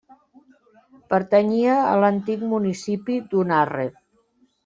Pertanyia a l'antic municipi d'Unarre.